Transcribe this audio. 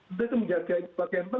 mau digugat apapun tetap dilayani